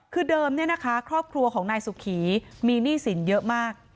คือเดิมครอบครัวของนายสุขีมีหนี้สินเยอะมาก